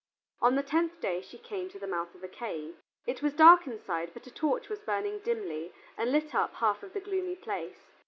On the tenth day she came to the mouth of a cave. It was dark inside, but a torch was burning dimly and lit up half of the gloomy place.